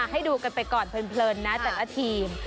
ให้ดูกันไปก่อนเพลินนะแต่ละทีม